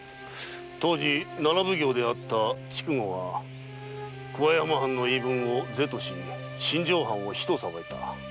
当時奈良奉行の筑後が桑山藩の言い分を是とし新庄藩を非と裁いた。